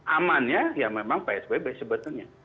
amannya ya memang psbb sebetulnya